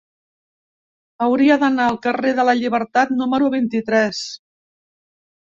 Hauria d'anar al carrer de la Llibertat número vint-i-tres.